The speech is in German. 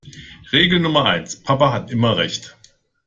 Regel Nummer eins: Papa hat immer Recht.